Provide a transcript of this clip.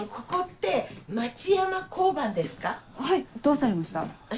どうされました？